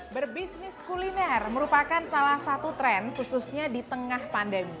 berbisnis kuliner merupakan salah satu tren khususnya di tengah pandemi